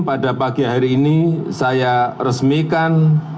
pada pagi hari ini saya resmikan